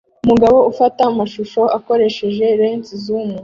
Umugabo ufata amashusho akoresheje lens zoom